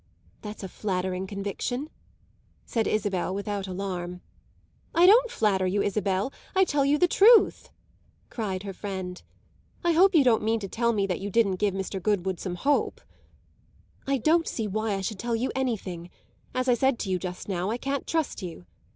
"That's a flattering conviction," said Isabel without alarm. "I don't flatter you, Isabel, I tell you the truth!" cried her friend. "I hope you don't mean to tell me that you didn't give Mr. Goodwood some hope." "I don't see why I should tell you anything; as I said to you just now, I can't trust you.